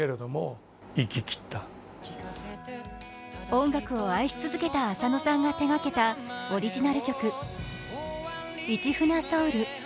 音楽を愛し続けた浅野さんが手がけたオリジナル曲「市船ｓｏｕｌ」。